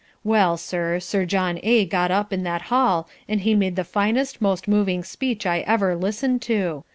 Well, sir, Sir John A. got up in that hall and he made the finest, most moving speech I ever listened to.